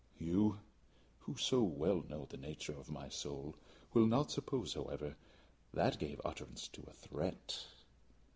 You, who so well know the nature of my soul, will not suppose, however, that I gave utterance to a threat.